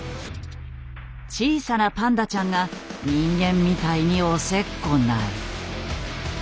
小さなパンダちゃんが人間みたいに押せっこない。